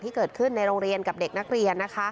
ที่เกิดขึ้นในโรงเรียนกับเด็กนักเรียน